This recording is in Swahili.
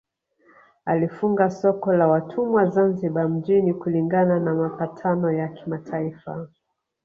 Alifunga soko la watumwa Zanzibar mjini kulingana na mapatano ya kimataifa